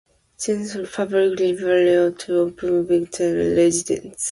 Galeton Public Library is open to Pike Township residents.